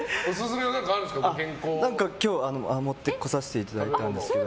今日、持ってこさせていただいたんですけど。